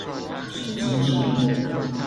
手機震動